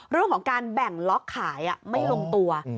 เรื่องของการแบ่งล็อกขายไม่ลงตัว